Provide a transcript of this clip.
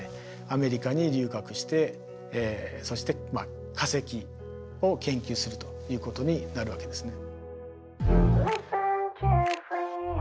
アメリカに留学してそしてまあ化石を研究するということになるわけですね。